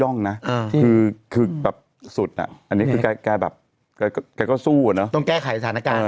เป็นคำพูของสูตรอันนี้อันแทนแปบกับใครก็สู้อ่ะเนาะต้องแก้ไขสถานการณ์